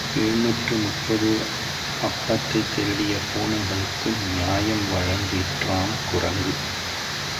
எழுநூற்று முப்பது அப்பத்தைத் திருடிய பூனைகளுக்கு நியாயம் வழங்கிற்றாம் குரங்கு.